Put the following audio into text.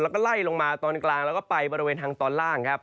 แล้วก็ไล่ลงมาตอนกลางแล้วก็ไปบริเวณทางตอนล่างครับ